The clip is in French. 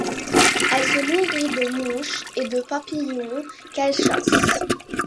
Elle se nourrit de mouches et de papillons qu'elle chasse.